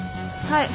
はい。